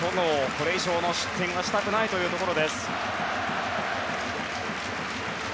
これ以上の失点はしたくないところ。